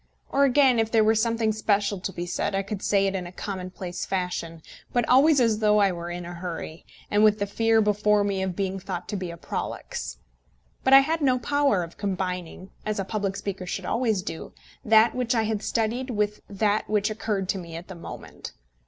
Or, again, if there were something special to be said, I could say it in a commonplace fashion, but always as though I were in a hurry, and with the fear before me of being thought to be prolix. But I had no power of combining, as a public speaker should always do, that which I had studied with that which occurred to me at the moment.